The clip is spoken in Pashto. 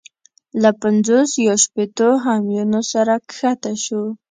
له پنځوس یا شپېتو همیونو سره کښته شو.